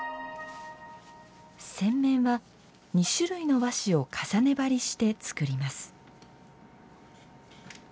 扇面は、二種類の和紙を重ね貼りして作ります。